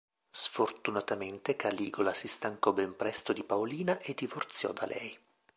Sfortunatamente Caligola si stancò ben presto di Paolina e divorziò da lei.